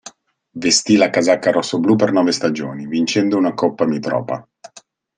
Vestì la casacca rossoblu per nove stagioni, vincendo una Coppa Mitropa.